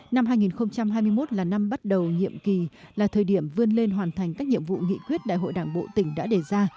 năm hai nghìn hai mươi một là năm bắt đầu nhiệm kỳ là thời điểm vươn lên hoàn thành các nhiệm vụ nghị quyết đại hội đảng bộ tỉnh đã đề ra